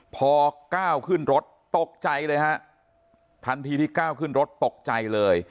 พอก้าวขึ้นรถตกใจเลยฮะทันทีที่ก้าวขึ้นรถตกใจเลย